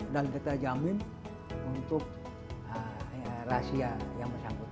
dan kita jamin untuk rahasia yang bersangkutan